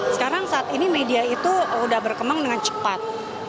sekarang saat ini media itu sudah berkembang dengan cepat